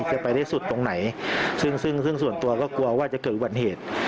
จะไปได้สุดตรงไหนซึ่งซึ่งส่วนตัวก็กลัวว่าจะเกิดอุบัติเหตุ